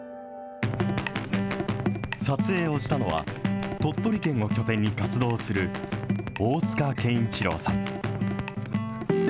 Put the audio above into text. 撮影をしたのは、鳥取県を拠点に活動する大塚健一朗さん。